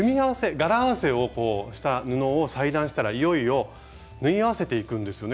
柄合わせをした布を裁断したらいよいよ縫い合わせていくんですよね